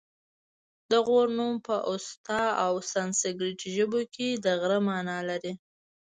د غور نوم په اوستا او سنسګریت ژبو کې د غره مانا لري